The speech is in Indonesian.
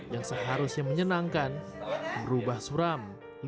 yang seharusnya menyenangkan berubah suram